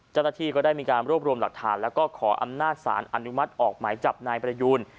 เจ้าหน้าที่ก็ได้มีการรวบรวมหลักฐานแล้วก็ขออำนาจสารอนุมัติออกหมายจับนายประยูน